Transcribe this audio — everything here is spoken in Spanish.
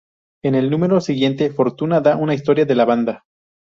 En el número siguiente, Fortuna da una historia de la banda.